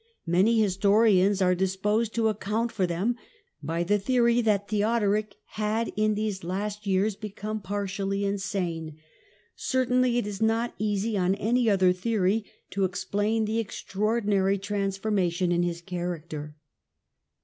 Many historians are disposed to account for them by the theory that Theodoric had in these last years become partially insane. Certainly it is not easy, on any other theory, to explain the extraordinary transfor mation in his character.